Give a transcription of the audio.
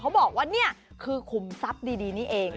เขาบอกว่านี่คือขุมทรัพย์ดีนี่เอง